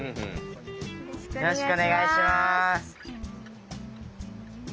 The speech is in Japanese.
よろしくお願いします。